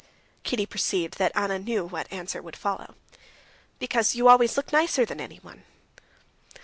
Kitty perceived that Anna knew what answer would follow. "Because you always look nicer than anyone."